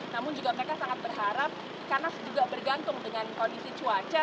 namun juga mereka sangat berharap karena juga bergantung dengan kondisi cuaca